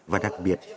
và đặc biệt